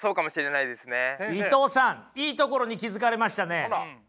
伊藤さんいいところに気付かれましたね。